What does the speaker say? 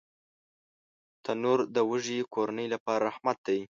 تنور د وږې کورنۍ لپاره رحمت دی